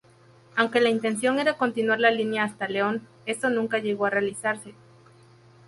Aunque la intención era continuar la línea hasta León, esto nunca llegó a realizarse.